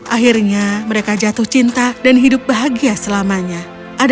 akhirnya mereka jatuh cinta dan hidup bahagia selama beberapa hari